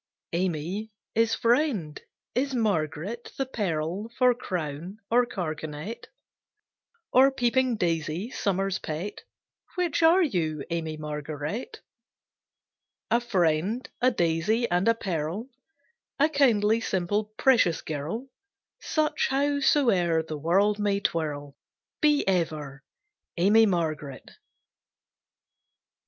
"Amy" is friend, is "Margaret" The pearl for crown or carkanet? Or peeping daisy, Summer's pet? Which are you, Amy Margaret? A friend, a daisy, and a pearl; A kindly, simple, precious girl, Such, howsoe'er the world may twirl, Be ever, Amy Margaret!